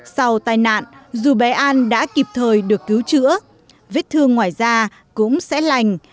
sau tai nạn dù bé an đã kịp thời được cứu chữa vết thương ngoài da cũng sẽ lành